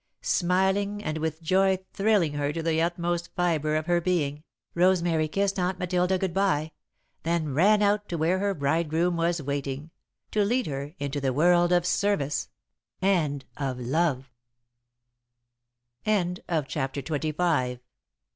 Smiling and with joy thrilling her to the utmost fibre of her being, Rosemary kissed Aunt Matilda good bye, then ran out to where her bridegroom was waiting, to lead her into the world of service and of love.